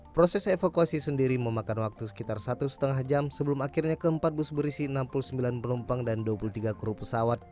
proses evakuasi sendiri memakan waktu sekitar satu lima jam sebelum akhirnya keempat bus berisi enam puluh sembilan penumpang dan dua puluh tiga kru pesawat